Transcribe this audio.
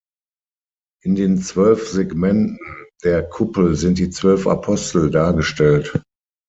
In den zwölf Segmenten der Kuppel sind die zwölf Apostel dargestellt.